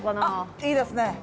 あっ、いいですね。